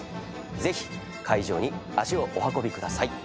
ぜひ会場に足をお運びください。